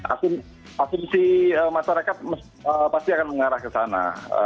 asumsi masyarakat pasti akan mengarah ke sana